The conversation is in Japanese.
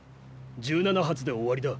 「１７発で終わりだ」